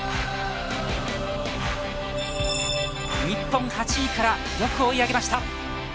日本８位からよく追い上げました。